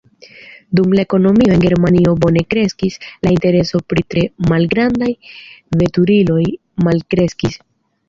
Dum la ekonomio en Germanio bone kreskis, la intereso pri tre malgrandaj veturiloj malkreskis.